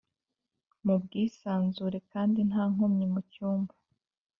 mu bwisanzure kandi nta nkomyi mu cyumba